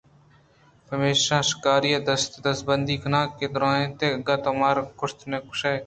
پمیشا شکاری ءَ دست ءُ دزبندی کنان ءَ درّائینتے اگاں تو منارا کُش ئے